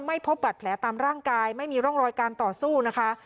พบบัตรแผลตามร่างกายไม่มีร่องรอยการต่อสู้นะคะ